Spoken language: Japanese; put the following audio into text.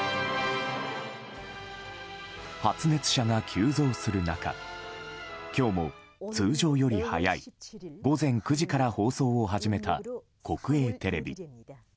発熱者が急増する中今日も通常より早い午前９時から放送を始めた国営テレビ。